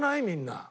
みんな。